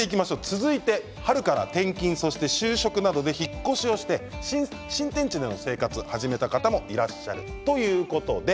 続いては春から転勤そして就職などで引っ越しをして新天地の生活を始めた方いらっしゃると思います。